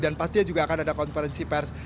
dan pasti juga akan ada konferensi pers